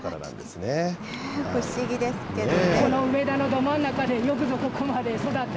不思議ですけどね。